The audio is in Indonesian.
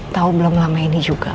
tahu belum lama ini juga